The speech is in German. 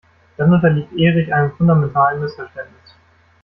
Dann unterliegt Erich einem fundamentalen Missverständnis.